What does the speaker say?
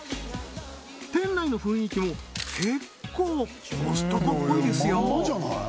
店内の雰囲気も結構コストコっぽいですよ